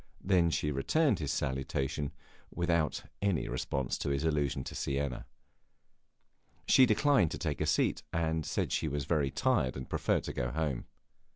Then she returned his salutation, without any response to his allusion to Siena. She declined to take a seat, and said she was tired and preferred to go home.